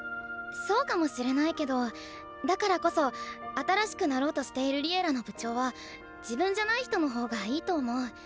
そうかもしれないけどだからこそ新しくなろうとしている「Ｌｉｅｌｌａ！」の部長は自分じゃない人の方がいいと思う。